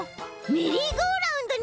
メリーゴーラウンドになりそう！